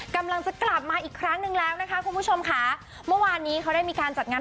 กำลังจะกลับมาอีกครั้งหนึ่งแล้วนะคะคุณผู้ชมค่ะเมื่อวานนี้เขาได้มีการจัดงาน